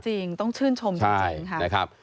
จริงต้องชื่นชมจริงครับ